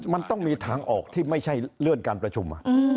มันต้องมีทางออกที่ไม่ใช่เลื่อนการประชุม